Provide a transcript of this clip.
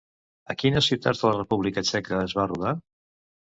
A quines ciutats de la República Txeca es va rodar?